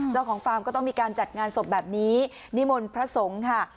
ฟาร์มก็ต้องมีการจัดงานศพแบบนี้นิมนต์พระสงฆ์ค่ะ